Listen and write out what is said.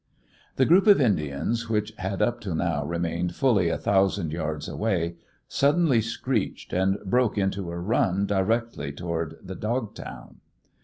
The group of Indians, which had up to now remained fully a thousand yards away, suddenly screeched and broke into a run directly toward the dog town.